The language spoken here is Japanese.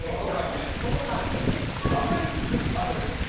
パブリックアドレス。